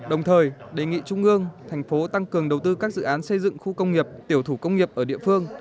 đồng thời đề nghị trung ương thành phố tăng cường đầu tư các dự án xây dựng khu công nghiệp tiểu thủ công nghiệp ở địa phương